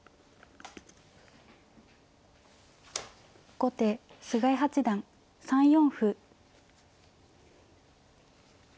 後手菅井八段３四歩。